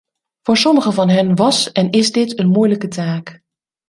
Voor sommigen van hen was en is dit een moeilijke taak.